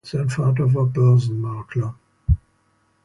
Sein Vater war Börsenmakler.